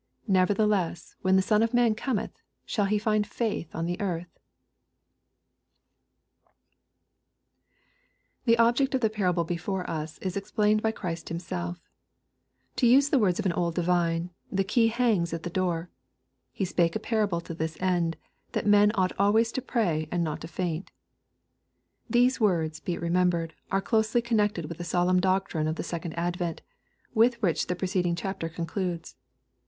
Nevertheless, when the Son of man cometb, shtJl he find fuith on the earth ? The object of the parable before us, is explained by Christ Himself, To use the words of an old divine, " The key hangs at the door." —" He spake a parable to this end ; that men ought always to pray, and not to faint." These words, be it remembered, are closely con nected with the solemn doctrine of the second advent, with which the preceding chaptef^concludes.